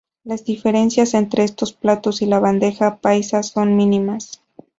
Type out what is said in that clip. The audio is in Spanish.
Las diferencias entre estos platos y la bandeja paisa son mínimas.